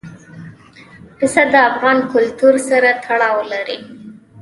پسه د افغان کلتور سره تړاو لري.